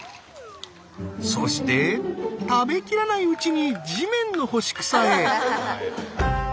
そして食べきらないうちに地面の干し草へ。